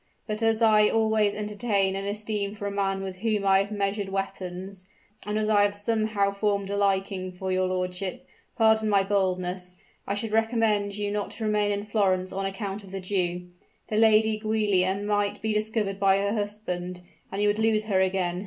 But as I always entertain an esteem for a man with whom I have measured weapons and as I have somehow formed a liking for your lordship pardon my boldness I should recommend you not to remain in Florence on account of the Jew. The Lady Giulia might be discovered by her husband, and you would lose her again.